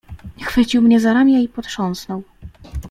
"Chwycił mnie za ramię i potrząsnął."